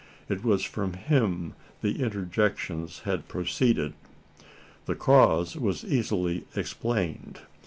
It was from him the interjections had proceeded. The cause was easily explained.